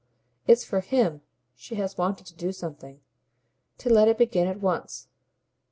It's for HIM she has wanted to do something to let it begin at once.